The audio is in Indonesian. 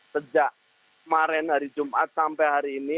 sejak kemarin hari jumat sampai hari ini